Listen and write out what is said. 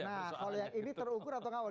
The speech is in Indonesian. nah kalau yang ini terukur atau ngawal